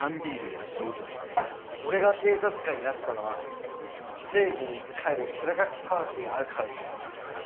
俺が警察官になったのは正義に仕える気高き魂があるからです。